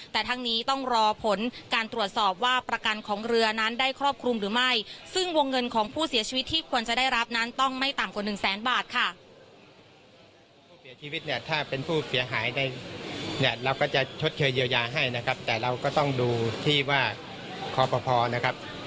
แต่ทั้งนี้ต้องรอผลการตรวจสอบว่าประกันของเรือนั้นได้ครอบคลุมหรือไม่ซึ่งวงเงินของผู้เสียชีวิตที่ควรจะได้รับนั้นต้องไม่ต่ำกว่าหนึ่งแสนบาทค่ะ